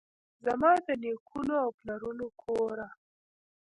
زما دنیکونو اوپلرونو کوره!